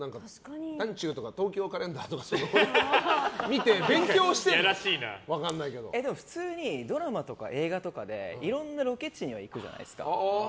「ｄａｎｃｙｕ」とか「東京カレンダー」とか見てでも普通にドラマとか映画とかでいろんなロケ地には行くじゃないですか。